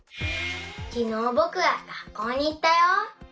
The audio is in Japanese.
きのうぼくはがっこうにいったよ。